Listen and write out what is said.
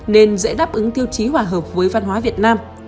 nên dễ đáp ứng tiêu chí hòa hợp với văn hóa việt nam